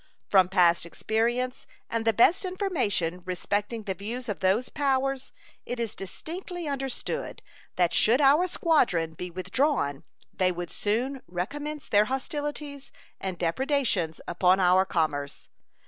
From past experience and the best information respecting the views of those powers it is distinctly understood that should our squadron be withdrawn they would soon recommence their hostilities and depredations upon our commerce.